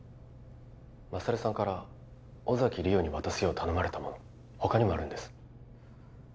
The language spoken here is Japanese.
勝さんから尾崎莉桜に渡すよう頼まれたもの他にもあるんです